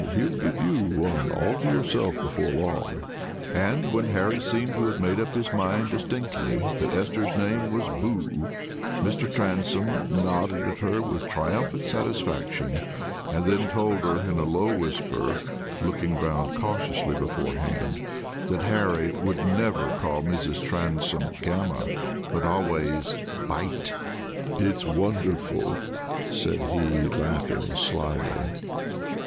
He'll give you one all to yourself before long." And when Harry seemed to have made up his mind distinctly that Esther's name was "Boo," Mr. Transome nodded at her with triumphant satisfaction, and then told her in a low whisper, looking round cautiously beforehand, that Harry would never call Mrs. Transome "Gamma," but always "Bite." "It's wonderful!" said he, laughing slyly.